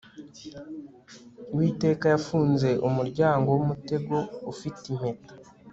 Uwiteka yafunze umuryango wumutego ufite impeta